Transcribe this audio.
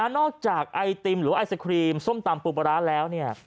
นอกจากไอติมรอไอสครีมส้มตำปุ๊บประนันซ์แล้ว